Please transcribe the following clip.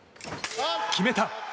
決めた！